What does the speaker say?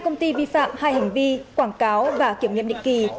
công ty vi phạm hai hành vi quảng cáo và kiểm nghiệm định kỳ